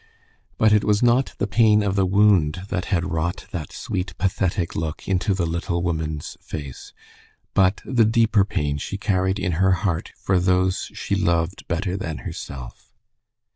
But it was not the pain of the wound that had wrought that sweet, pathetic look into the little woman's face, but the deeper pain she carried in her heart for those she loved better than herself.